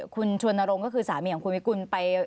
คุณชวนรงค์ก็คือสามีของคุณวิกุลไป